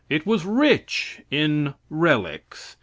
It was rich in relics.